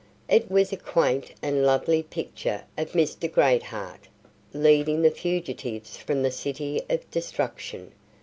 It was a quaint and lovely picture of Mr. Greatheart, leading the fugitives from the City of Destruction.